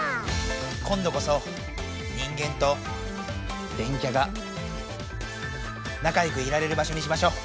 今度こそ人間と電キャがなかよくいられる場所にしましょう。